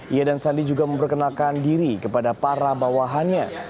ia dan sandi juga memperkenalkan diri kepada para bawahannya